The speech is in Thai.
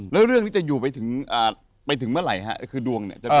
แล้วเรื่องที่จะอยู่ไปถึงเมื่อไหร่คือดวง